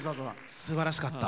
すばらしかった。